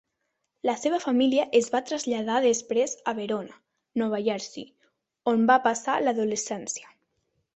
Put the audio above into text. La seva família es va traslladar després a Verona, Nova Jersey, on va passar l'adolescència.